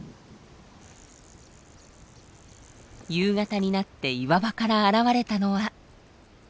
夕方になって岩場から現れたのは。